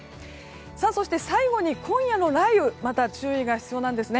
そして、最後に今夜の雷雨また注意が必要です。